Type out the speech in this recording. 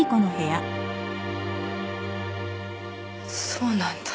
そうなんだ。